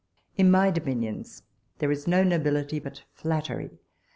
In my dominions there is no nobility but flattery.